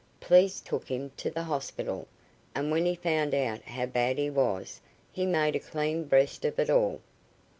Police took him to the hospital, and when he found out how bad he was, he made a clean breast of it all.